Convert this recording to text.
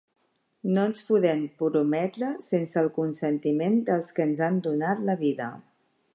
No ens podem prometre sense el consentiment dels que ens han donat la vida;